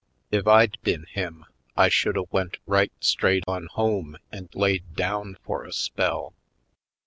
If I'd been him I should a went right straight on home and laid down for a spell.